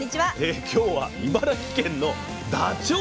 今日は茨城県のダチョウ。